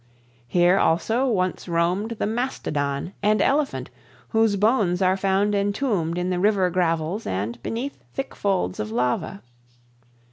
Here, also, once roamed the mastodon and elephant, whose bones are found entombed in the river gravels and beneath thick folds of lava.